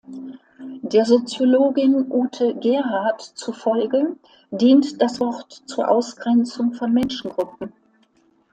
Der Soziologin Ute Gerhard zufolge dient das Wort zur Ausgrenzung von Menschengruppen.